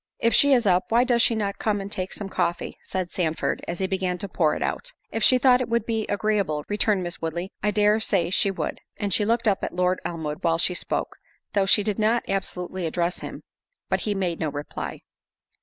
"If she is up, why does not she come and take some coffee?" said Sandford, as he began to pour it out. "If she thought it would be agreeable," returned Miss Woodley, "I dare say she would." And she looked at Lord Elmwood while she spoke, though she did not absolutely address him; but he made no reply.